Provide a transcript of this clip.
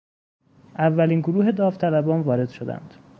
اولین گروه داوطلبان وارد شدند.